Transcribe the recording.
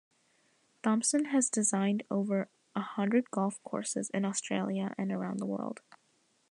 Thomson has designed over a hundred golf courses in Australia and around the world.